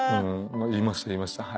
言いました言いました。